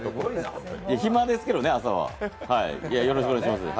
暇ですけどね、朝は。